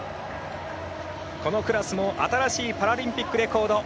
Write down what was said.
このクラスも新しいパラリンピックレコード！